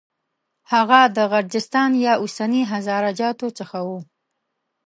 هغه د غرجستان یا اوسني هزاره جاتو څخه و.